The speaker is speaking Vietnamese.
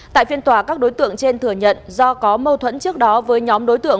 tại phiên tòa các đối tượng trên thừa nhận do có mâu thuẫn trước đó với nhóm đối tượng